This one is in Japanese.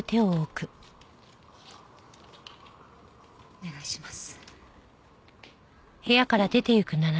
お願いします。